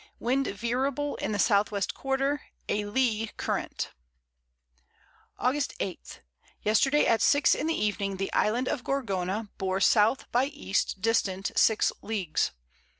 Wind veerable in the South West Quarter, a Lee Current. August 8. Yesterday at 6 in the Evening the Island of Gorgona bore S. by E. distant 6 Leagues.